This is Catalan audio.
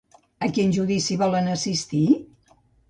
A quin judici volen assistir?